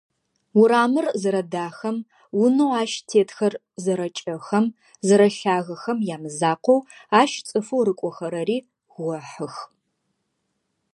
Урамыр зэрэдахэм, унэу ащ тетхэр зэрэкӏэхэм, зэрэлъагэхэм ямызакъоу, ащ цӏыфэу рыкӏохэрэри гохьых.